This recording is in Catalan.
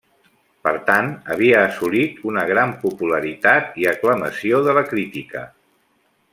Per tant, havia assolit una gran popularitat i l'aclamació de la crítica.